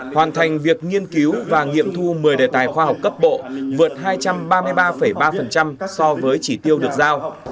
hoàn thành việc nghiên cứu và nghiệm thu một mươi đề tài khoa học cấp bộ vượt hai trăm ba mươi ba ba so với chỉ tiêu được giao